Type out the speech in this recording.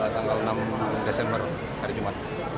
tanggal enam desember hari jumat